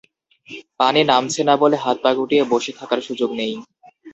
পানি নামছে না বলে হাত পা গুটিয়ে বসে থাকার সুযোগ নেই।